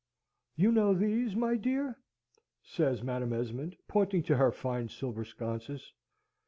"You know these, my dear?" says Madam Esmond, pointing to her fine silver sconces.